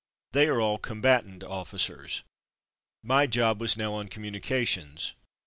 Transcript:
They are all " combatant '' officers. My job was now on communications.